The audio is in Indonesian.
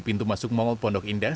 pintu masuk mongol bondokindah